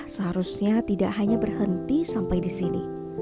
seharusnya tidak hanya berhenti sampai di sini